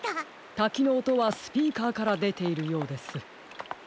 たきのおとはスピーカーからでているようです。